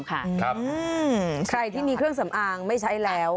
ใครที่มีเครื่องสำอางไม่ใช้แล้ว